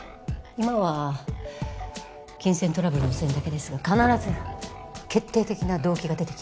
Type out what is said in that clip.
今は金銭トラブルの線だけですが必ず決定的な動機が出てきます。